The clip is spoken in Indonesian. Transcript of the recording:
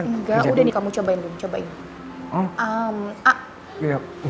udah nih kamu cobain dong